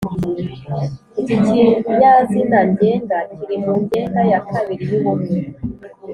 iki kinyazina ngenga kiri muri ngenga ya kabiri y'ubumwe